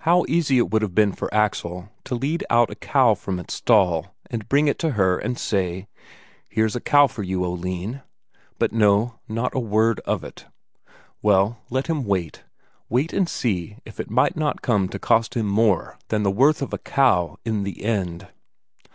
How easy it would have been for Axel to lead out a cow from its stall, and bring it to her and say: "Here's a cow for you, Oline." But no. Not a word of it. Well, let him wait wait and see if it might not come to cost him more than the worth of a cow in the end!